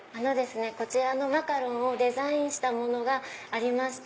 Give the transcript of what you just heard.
こちらのマカロンをデザインしたものがありまして。